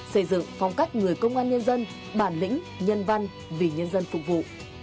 xây dựng phong cách người công an nhân dân bản lĩnh nhân văn vì nhân dân phục vụ